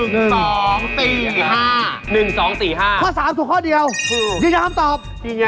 ข้อ๓ถูกข้อเดียวยังยังห้ามตอบ